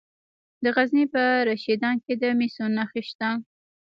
د غزني په رشیدان کې د مسو نښې شته.